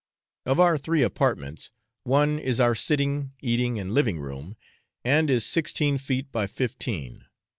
Of our three apartments, one is our sitting, eating, and living room, and is sixteen feet by fifteen.